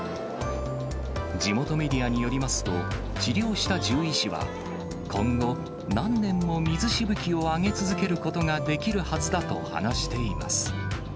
地元メディアによりますと、治療した獣医師は、今後何年も水しぶきを上げ続けることができるはずだと話しています。